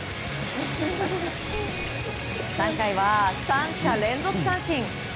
３回は３者連続三振。